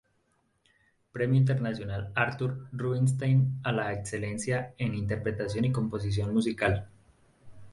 Premio Internacional Arthur Rubinstein a la excelencia en Interpretación y Composición musical.